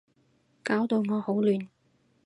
搞到我好亂